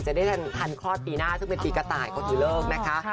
จะได้ทันคลอดปีหน้าซึ่งเป็นปีกระต่ายเขาถือเลิกนะคะ